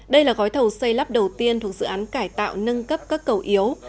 đây là gói thầu xây lắp đầu tiên thuộc dự án cải tạo nâng cấp các cầu yếu